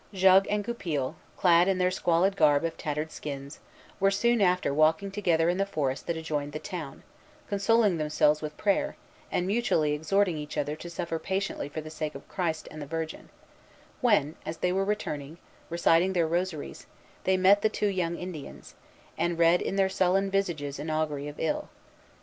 Jogues and Goupil, clad in their squalid garb of tattered skins, were soon after walking together in the forest that adjoined the town, consoling themselves with prayer, and mutually exhorting each other to suffer patiently for the sake of Christ and the Virgin, when, as they were returning, reciting their rosaries, they met the two young Indians, and read in their sullen visages an augury of ill.